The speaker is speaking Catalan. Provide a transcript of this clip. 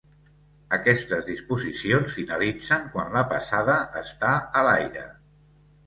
Aquestes disposicions finalitzen quan la passada està a l'aire.